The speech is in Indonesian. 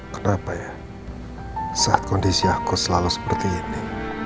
kenapa ya saat kondisi aku selalu seperti ini